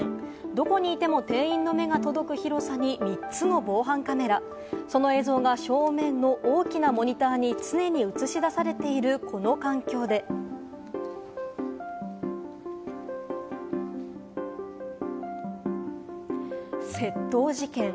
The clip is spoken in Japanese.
どこにいても店員の目が届く広さに、３つの防犯カメラ、その映像が正面の大きなモニターに常に映し出されているこの環境で窃盗事件。